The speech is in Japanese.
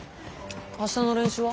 明日の練習は？